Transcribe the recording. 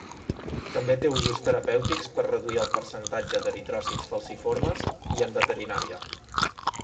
També té usos terapèutics per reduir el percentatge d'eritròcits falciformes i en veterinària.